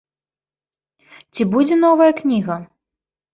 Ці будзе новая кніга?